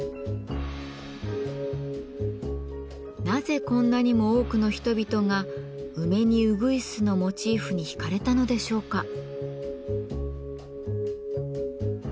なぜこんなにも多くの人々が「梅にうぐいす」のモチーフに引かれたのでしょうか？